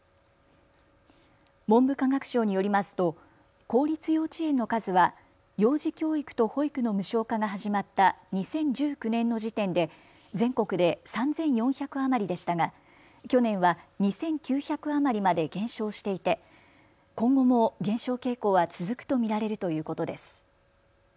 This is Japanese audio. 文部科学省によりますと公立幼稚園の数は幼児教育と保育の無償化が始まった２０１９年の時点で全国で３４００余りでしたが去年は２９００余りまで減少していて今後も減少傾向は続くと見られるということです。